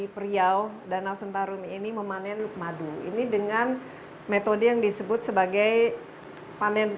periau danau sentaruni ini memanen luk madu ini dengan metode yang disebut sebagai panen